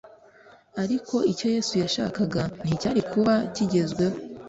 Ariko icyo Yesu yashakaga nticyari kuba kigezweho.